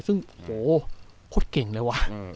ซึ่งโอ้โหโคตรเก่งเลยวะ